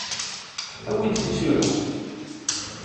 Awi-d tisura.